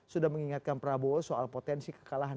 sudah mengingatkan prabowo soal potensi kekalahan